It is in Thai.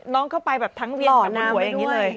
ล่อน้ำไปด้วย